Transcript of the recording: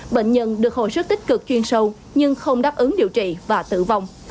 bệnh nhân được hồi sức tích cực chuyên sâu nhưng không đáp ứng điều trị và tử vong